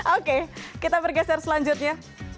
oke kita bergeser selanjutnya